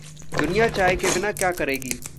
दुनिया चाय के बिना क्या करेगी?